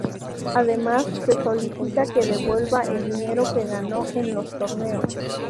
Además, se solicita que devuelva el dinero que ganó en los torneos.